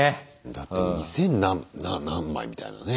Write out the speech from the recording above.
だって２０００何枚みたいなね。